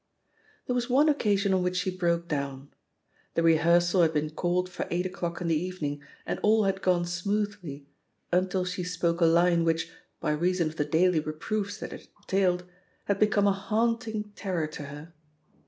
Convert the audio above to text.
There was one occasion on which she broke down. The rehearsal had been called for eight o'clock in the evening, and all had gone smoothly until she spoke a line which, by reason of the daily reproofs that it entailed, had become a haunting terror to her.